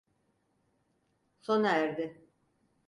Sona erdi.